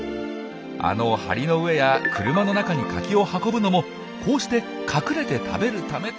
あの梁の上や車の中にカキを運ぶのもこうして隠れて食べるためと考えられるんです。